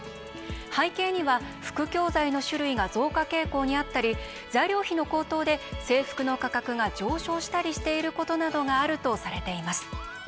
背景には副教材の種類が増加傾向にあったり材料費の高騰で制服の価格が上昇したりしていることなどがあるとされています。